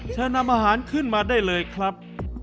เชิญนำอาหารขึ้นมาได้เลยครับ